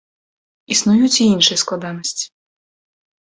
Існуюць і іншыя складанасці.